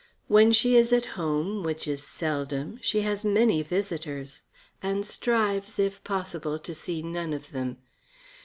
When she is at home which is seldom she has many visitors and strives, if possible, to see none of them.